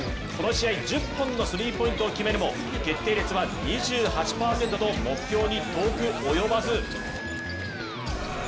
この試合１０本のスリーポイントを決めるも決定率は２８％と目標に遠く及ばず。